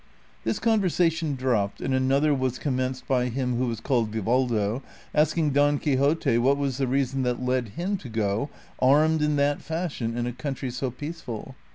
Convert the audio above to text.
This conversation dropped, and another was commenced by him who Avas called Vivaldo asking Don Quixote what was the reason that led him to go armed in that fashion in a country so peaceful.